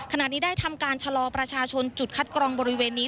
ขณะนี้ได้ทำการชะลอประชาชนจุดคัดกรองบริเวณนี้